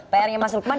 pr nya mas rukman